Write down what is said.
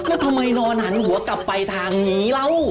แล้วทำไมนอนหันหัวกลับไปทางนี้เรา